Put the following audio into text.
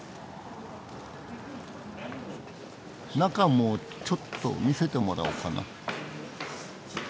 中もちょっと見せてもらおうかな。